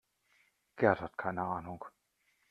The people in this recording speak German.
Gerd hat keine Ahnung.